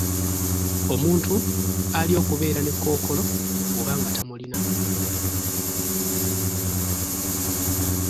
Omuntu ali okubeera ne kkookolo oba nga tamulina.